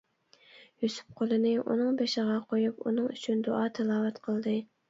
يۈسۈپ قولىنى ئۇنىڭ بېشىغا قويۇپ ئۇنىڭ ئۈچۈن دۇئا-تىلاۋەت قىلدى.